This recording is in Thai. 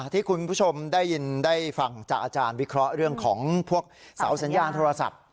ที่คุณผู้ชมได้ยินได้ฟังจากอาจารย์วิเคราะห์เรื่องของพวกเสาสัญญาณโทรศัพท์